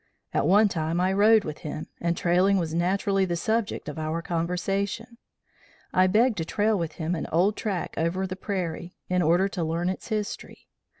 At one time I rode with him, and trailing was naturally the subject of our conversation. I begged to trail with him an old track over the prairie, in order to learn its history.